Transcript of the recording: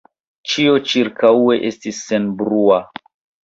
Ĉio ĉirkaŭe estis senbrua.